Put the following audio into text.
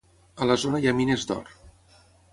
A la zona hi ha mines d'or.